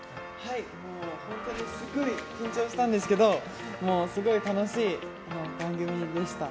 本当にすごい緊張したんですけどすごい楽しい番組でした。